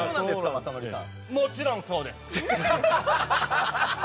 もちろんそうです。